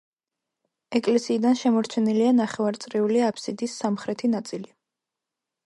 ეკლესიიდან შემორჩენილია ნახევარწრიული აბსიდის სამხრეთი ნაწილი.